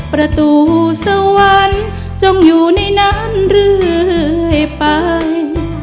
ประตูสวรรค์จงอยู่ในนั้นเรื่อยไป